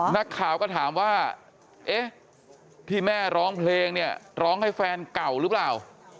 นักข่าวก็ถามว่าเอ๊ะที่แม่ร้องเพลงเนี่ยร้องให้แฟนเก่าหรือเปล่า